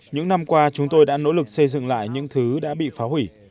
những năm qua chúng tôi đã nỗ lực xây dựng lại những thứ đã bị phá hủy